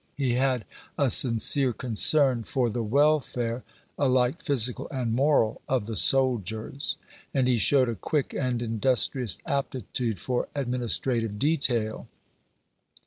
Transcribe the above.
He had a sincere concern for the welfare, alike physical and moral, of the soldiers; and he showed a quick and industrious aptitude for administrative detail.